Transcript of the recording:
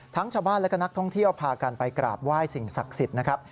ชาวบ้านและก็นักท่องเที่ยวพากันไปกราบไหว้สิ่งศักดิ์สิทธิ์นะครับ